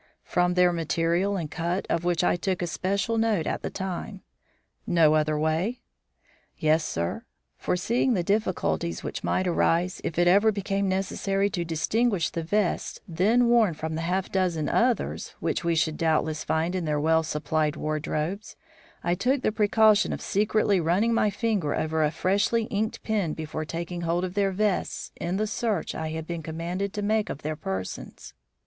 "From their material and cut, of which I took especial note at the time." "No other way?" "Yes, sir. Foreseeing the difficulties which might arise if it ever became necessary to distinguish the vests then worn from the half dozen others which we should doubtless find in their well supplied wardrobes, I took the precaution of secretly running my finger over a freshly inked pen before taking hold of their vests in the search I had been commanded to make of their persons.